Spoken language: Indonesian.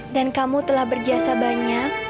dan kamu telah berjasa banyak